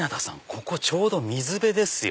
ここちょうど水辺ですよ。